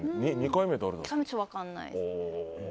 ２回目は分からないです。